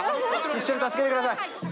一緒に助けて下さい。